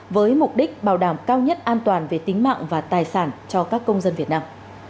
với mục đích bảo đảm cao nhất an toàn về tính mạng và tài sản cho các công dân việt nam